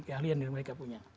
keahlian yang mereka punya